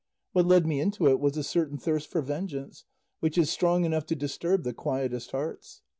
What led me into it was a certain thirst for vengeance, which is strong enough to disturb the quietest hearts.